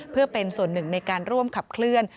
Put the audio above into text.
เพื่อเป็นส่วนหนึ่งในการร่วมขับเคลื่อน